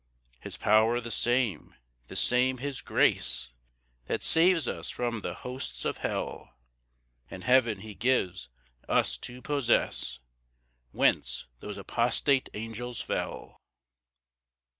5 His power the same, the same his grace, That saves us from the hosts of hell; And heaven he gives us to possess, Whence those apostate angels fell.